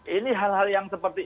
ini hal hal yang seperti